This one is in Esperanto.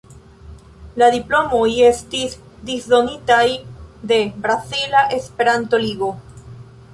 La diplomoj estis disdonitaj de Brazila Esperanto-Ligo.